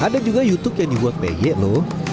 ada juga youtube yang dibuat peye lho